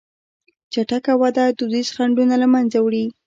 چټکه وده دودیز خنډونه له منځه وړي.